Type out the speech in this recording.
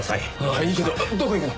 いいけどどこ行くの？